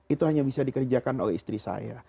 itu hanya bisa dikerjakan oleh istri saya